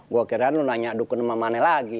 gue kira lu nanya dukun namanya lagi